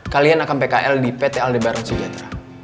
kalian akan pkl di pt aldebaran sejahtera